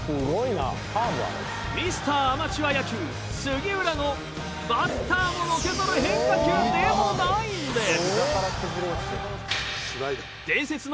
ミスターアマチュア野球杉浦のバッターものけぞる変化球でもないんです。